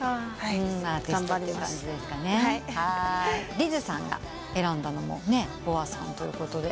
リズさんが選んだのもＢｏＡさんということで。